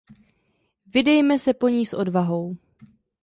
Vydejme se po ní s odvahou.